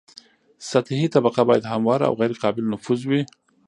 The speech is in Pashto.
سطحي طبقه باید همواره او غیر قابل نفوذ وي